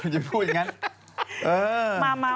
อย่าพูดอย่างนั้น